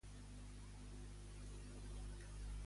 On situava Ruysch l'illa?